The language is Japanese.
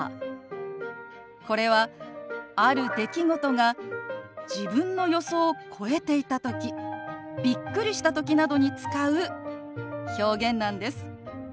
これはある出来事が自分の予想を超えていたときびっくりしたときなどに使う表現なんです。